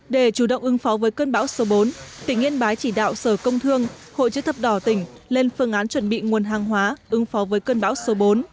để chủ động ứng phó với cơn bão số bốn tỉnh yên bái chỉ đạo sở công thương hội chữ thập đỏ tỉnh lên phương án chuẩn bị nguồn hàng hóa ứng phó với cơn bão số bốn